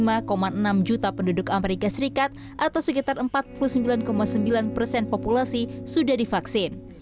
pada saat ini sekitar empat enam juta penduduk as atau sekitar empat puluh sembilan sembilan persen populasi sudah divaksin